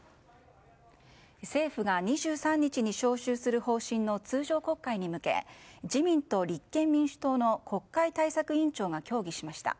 政府が２３日に召集する方針の通常国会に向け自民と立憲民主党の国会対策委員長が協議しました。